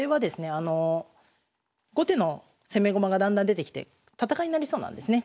あの後手の攻め駒がだんだん出てきて戦いになりそうなんですね